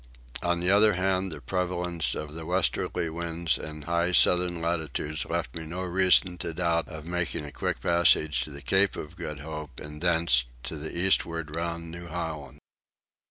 On the other hand the prevalence of the westerly winds in high southern latitudes left me no reason to doubt of making a quick passage to the Cape of Good Hope and thence to the eastward round New Holland.